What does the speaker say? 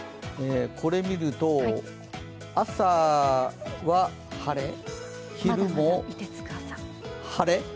これを見ると、朝は晴れ昼も晴れ。